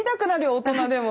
大人でも。